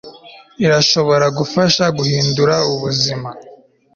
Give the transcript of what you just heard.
irashobora gufasha guhindura ubuzima